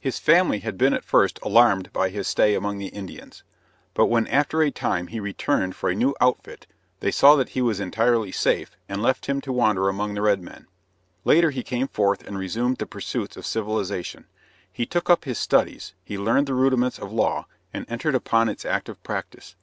His family had been at first alarmed by his stay among the Indians; but when after a time he returned for a new outfit they saw that he was entirely safe and left him to wander among the red men. Later he came forth and resumed the pursuits of civilization. He took up his studies; he learned the rudiments of law and entered upon its active practice.